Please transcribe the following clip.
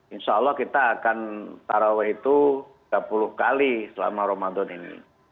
insya allah kita akan taraweh itu tiga puluh kali selama ramadan ini